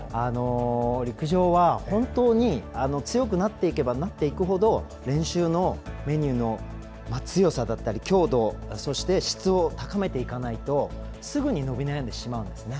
陸上は、本当に強くなっていけばなっていくほど練習のメニューの強さだったりそして質を高めていかないとすぐに伸び悩んでしまうんですね。